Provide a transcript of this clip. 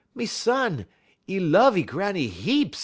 Me son, 'e love 'e Granny heap.'